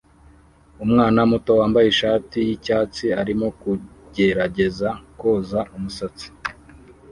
Umwana muto wambaye ishati yicyatsi arimo kugerageza kwoza umusatsi